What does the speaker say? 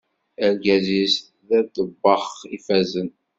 Argaz-is d aḍebbax ifazen.